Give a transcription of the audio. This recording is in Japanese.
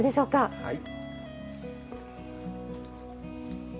はい。